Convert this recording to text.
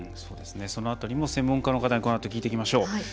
その辺りも専門家の方にこのあと、聞いていきましょう。